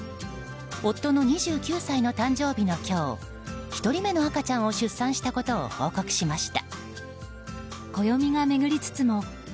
夫の２９歳の誕生日の今日１人目の赤ちゃんを出産したことを報告しました。